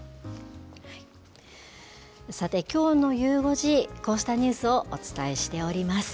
さて、きょうのゆう５時、こうしたニュースをお伝えしております。